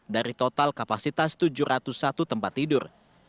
dari total kapasitas tujuh ratus satu tempat tidur